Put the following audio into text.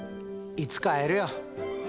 いつか会えるよ。